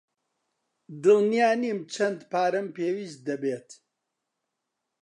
دڵنیا نیم چەند پارەم پێویست دەبێت.